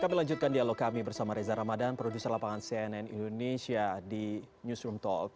kami lanjutkan dialog kami bersama reza ramadan produser lapangan cnn indonesia di newsroom talk